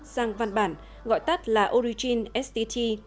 giang văn bản gọi tắt là origin stt